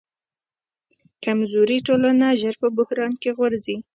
کمزورې ټولنه ژر په بحران کې غورځي.